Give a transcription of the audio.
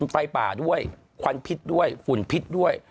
ไฟป่าด้วยควันพิษด้วยฝุ่นพิษด้วย